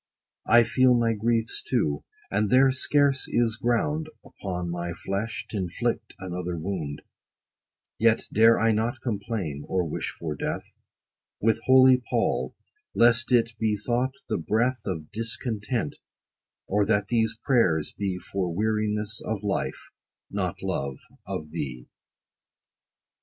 20 I feel my griefs too, and there scarce is ground, Upon my flesh t' inflict another wound : Yet dare I not complain, or wish for death, With holy PAUL, lest it be thought the breath Of discontent ; or that these prayers be For weariness of life, not love of thee.